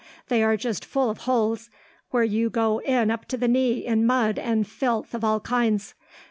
They are just full of holes, where you go in up to the knee in mud and filth of all kinds.